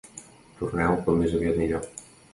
Torneu com més aviat millor.